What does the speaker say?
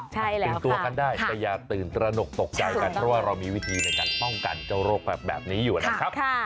ตื่นตัวกันได้แต่อย่าตื่นตระหนกตกใจกันเพราะว่าเรามีวิธีในการป้องกันเจ้าโรคแบบนี้อยู่นะครับ